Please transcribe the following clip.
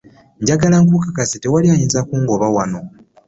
Njagala nkukakase tewali ayinza kungoba wano.